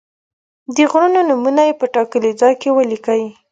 د غرونو نومونه یې په ټاکلي ځای کې ولیکئ.